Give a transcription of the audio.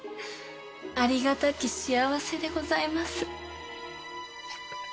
ありがたき幸せでございます。